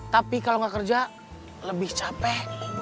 tapi kalau nggak kerja lebih capek